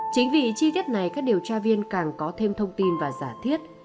chính vì chi tiết này các điều tra viên càng có thêm thông tin và giả thiết